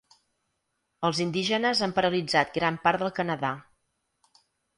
Els indígenes han paralitzat gran part del Canadà.